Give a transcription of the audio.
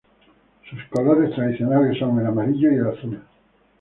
Sus colores tradicionales son el amarillo y el azul.